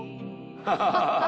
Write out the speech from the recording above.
「ハハハハハ」